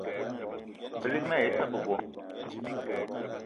Balig mal ai issa bebo